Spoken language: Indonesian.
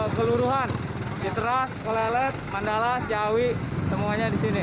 keluruhan jiteras kolelet mandala jawi semuanya di sini